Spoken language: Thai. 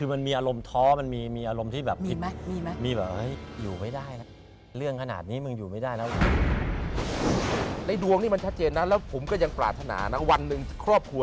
วันหนึ่งครอบครัวจะกลับมาเป็นครอบครัว